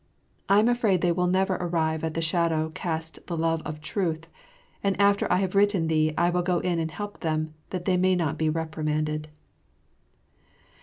I am afraid they will never arrive at the shadow cast the love of truth, and after I have written thee I will go in and help them, that they may not be reprimanded.